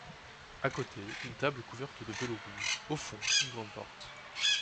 À côté, une table couverte de velours rouge. — Au fond, une grande porte.